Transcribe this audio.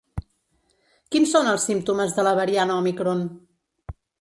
Quins són els símptomes de la variant òmicron?